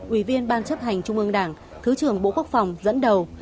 ủy viên ban chấp hành trung ương đảng thứ trưởng bộ quốc phòng dẫn đầu